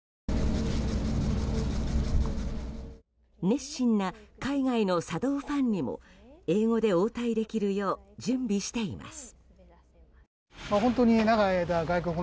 熱心な海外の茶道ファンにも英語で応対できるよう準備しています。